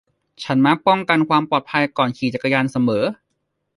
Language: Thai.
ฉันมักป้องกันความปลอดภัยก่อนขี่จักรยานเสมอ